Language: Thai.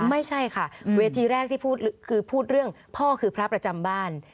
ไม่ใช่ค่ะเวทีแรกที่พูดคือพูดเรื่องพ่อคือพระประจำบ้าน